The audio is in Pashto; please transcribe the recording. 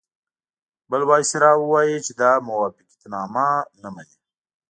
بل وایسرا ووایي چې دا موافقتنامه نه مني.